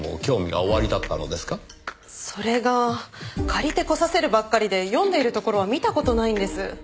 それが借りてこさせるばっかりで読んでいるところは見た事ないんです。